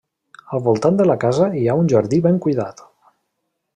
Al voltant de la casa hi ha un jardí ben cuidat.